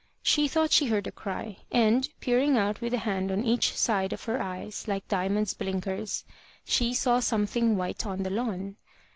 She thought she heard a cry, and, peering out with a hand on each side of her eyes like Diamond's blinkers, she saw something white on the lawn.